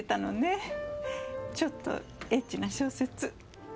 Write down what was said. ちょっとエッチな小説。